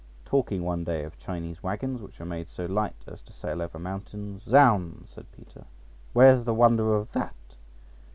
Talking one day of Chinese waggons, which were made so light as to sail over mountains, "Z—nds," said Peter, "where's the wonder of that?